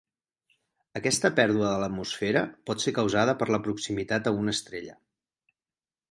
Aquesta pèrdua de l'atmosfera pot ser causada per la proximitat a una estrella.